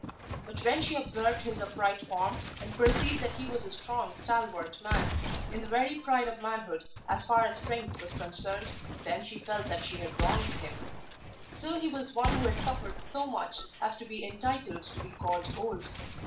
But when she observed his upright form, and perceived that he was a strong stalwart man, in the very pride of manhood as far as strength was concerned, then she felt that she had wronged him. Still he was one who had suffered so much as to be entitled to be called old.